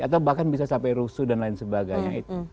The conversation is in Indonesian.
atau bahkan bisa sampai rusuh dan lain sebagainya itu